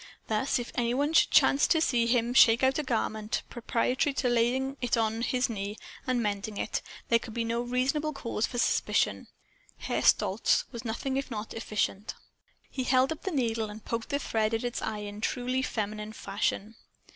Thus, if any one should chance to see him shake out a garment, preparatory to laying it on his knee and mending it, there could be no reasonable cause for suspicion. Herr Stolz was nothing if not efficient. He held up the needle and poked the thread at its eye in truly feminine fashion.